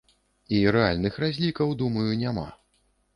І рэальных разлікаў, думаю, няма.